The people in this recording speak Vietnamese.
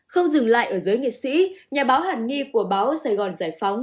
không dừng lại ở giới nghị sĩ nhà báo hẳn nghi của báo sài gòn giải phóng